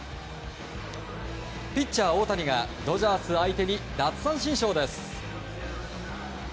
ピッチャー大谷がドジャース相手に奪三振ショーです。